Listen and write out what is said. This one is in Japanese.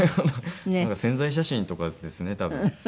宣材写真とかですね多分。